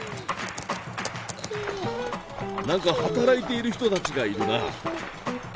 何か働いている人たちがいるな。